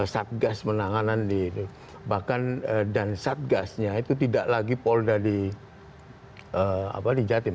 satgas penanganan di bahkan dan satgasnya itu tidak lagi polda di jatim